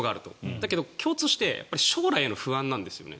ただ共通しているのは将来への不安なんですよね。